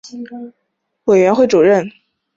同年调任山西省人大副主任兼财经委员会主任。